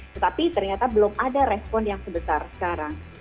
tetapi ternyata belum ada respon yang sebesar sekarang